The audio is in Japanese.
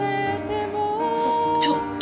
ちょっと。